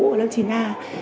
ở lớp chín a